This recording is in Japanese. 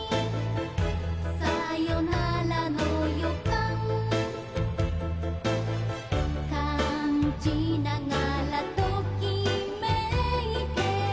「サヨウナラの予感」「感じながらときめいて」